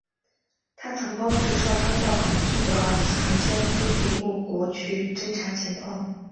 她曾帮助少康到寒浞的儿子寒浇的封地过国去侦察情况。